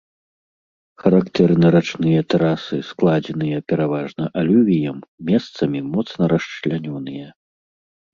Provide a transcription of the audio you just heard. Характэрны рачныя тэрасы, складзеныя пераважна алювіем, месцамі моцна расчлянёныя.